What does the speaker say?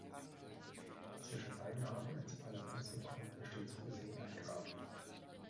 Zwischen beiden Arten, ins Parlament zu kommen, besteht so gesehen ein Graben.